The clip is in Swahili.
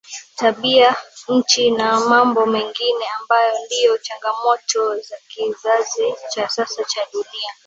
Tabia nchi na mambo mengine ambayo ndiyo changamoto za kizazi cha sasa cha dunia